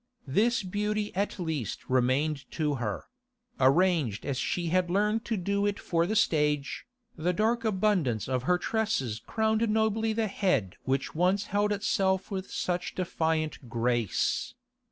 This beauty at least remained to her; arranged as she had learned to do it for the stage, the dark abundance of her tresses crowned nobly the head which once held itself with such defiant grace.